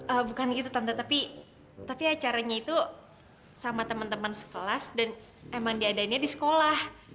oh bukan gitu tapi tapi acaranya itu sama teman teman sekelas dan emang diadainnya di sekolah